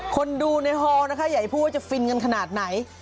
คนดูในฮอลนะคะอย่าพูดว่าจะฟินกันขนาดไหน